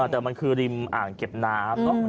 แต่มันคือริมอ่างเก็บน้ำ